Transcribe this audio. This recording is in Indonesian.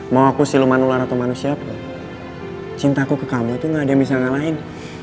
mau aku siluman ular atau manusia pun cintaku ke kamu tuh gak ada yang bisa ngalahin